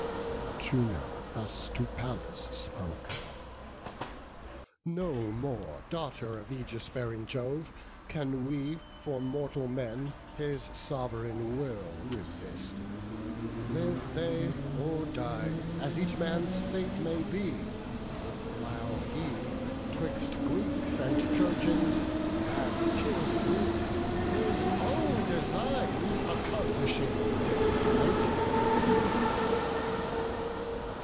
Then Juno thus to Pallas spoke: "No more, Daughter of aegis bearing Jove, can we For mortal men his sov'reign will resist; Live they or die, as each man's fate may be; While he, 'twixt Greeks and Trojans, as 'tis meet, His own designs accomplishing, decides."